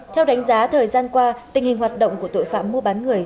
theo đánh giá thời gian qua tình hình hoạt động của tội phạm mua bán người